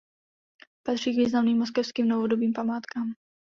Patří k významným moskevským novodobým památkám.